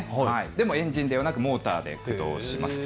でもエンジンではなくモーターで駆動します。